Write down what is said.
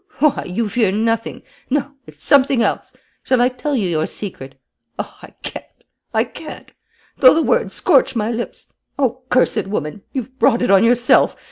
Why, you fear nothing! No, it's something else! Shall I tell you your secret? Oh, I can't, I can't though the words scorch my lips. Oh, cursed woman, you've brought it on yourself!